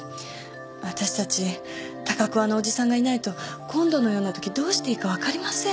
わたしたち高桑のおじさんがいないと今度のようなときどうしていいか分かりません